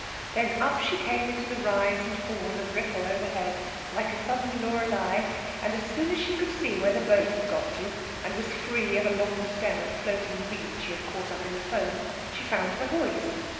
Then up she came into the rise and fall and ripple overhead like a sudden Loreley, and as soon as she could see where the boat had got to, and was free of a long stem of floating weed she had caught up in the foam, she found her voice.